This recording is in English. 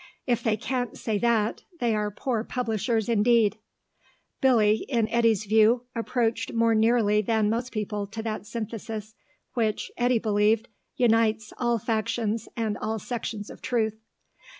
If they can't say that, they are poor publishers indeed. Billy, in Eddy's view, approached more nearly than most people to that synthesis which, Eddy believed, unites all factions and all sections of truth.